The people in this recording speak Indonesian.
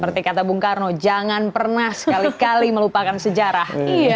seperti kata bung karno jangan pernah sekali kali melupakan sejarah